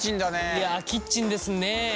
いやキッチンですね！